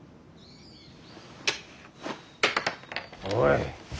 おい。